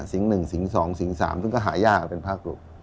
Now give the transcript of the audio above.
สิงค์หนึ่งสิงค์สองสิงค์สามซึ่งก็หายากเป็นพระครู